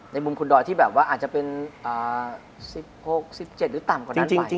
ในมุมคุณดรที่อาจจะเป็น๑๖๑๗หรือต่ำกว่านั้นไป